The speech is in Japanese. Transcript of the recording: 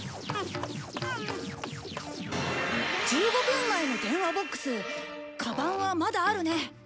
１５分前の電話ボックスカバンはまだあるね。